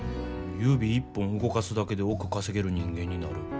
指一本動かすだけで億稼げる人間になる。